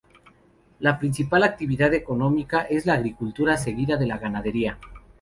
La principal actividad económica es la agricultura, seguida de la ganadería.